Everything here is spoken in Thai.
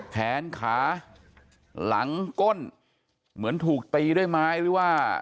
แขนขาหลังก้นเหมือนถูกตีด้วยไม้หรือว่า